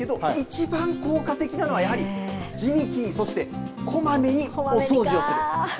いちばん効果的なのはやはり地道に、そしてこまめにお掃除をする。